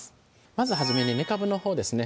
まず初めにめかぶのほうですね